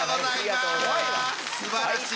すばらしい。